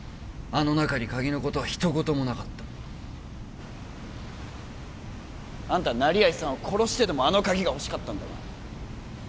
あの中に鍵のことは一言もなかったあんた成合さんを殺してでもあの鍵が欲しかったんだな